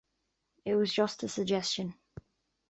It was just a suggestion.